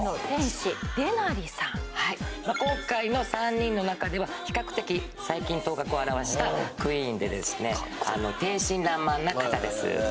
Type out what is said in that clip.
今回の３人の中では比較的最近頭角を現したクイーンで天真爛漫な方です